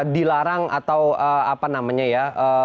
dilarang atau apa namanya ya